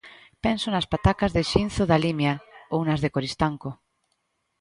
Penso nas patacas de Xinzo da Limia, ou nas de Coristanco.